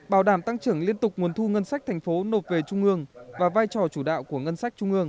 bảo đảm tăng trưởng liên tục nguồn thu ngân sách thành phố nộp về trung ương và vai trò chủ đạo của ngân sách trung ương